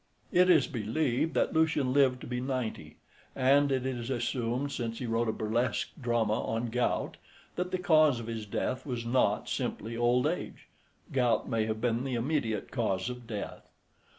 It is believed that Lucian lived to be ninety, and it is assumed, since he wrote a burlesque drama on gout, that the cause of his death was not simply old age. Gout may have been the immediate cause of death.